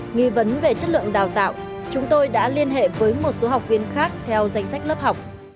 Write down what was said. nghi vấn về chất lượng đào tạo chúng tôi đã liên hệ với một số học viên khác theo danh sách lớp học